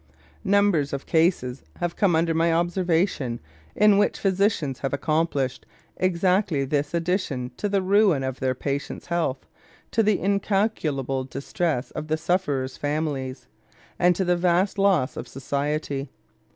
Numbers of cases have come under my observation in which physicians have accomplished exactly this addition to the ruin of their patients' health, to the incalculable distress of the sufferers' families, and to the vast loss of society.